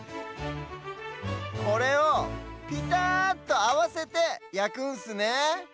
これをぴたっとあわせてやくんすねえ。